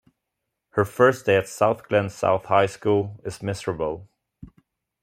Her first day at South Glen South High School is miserable.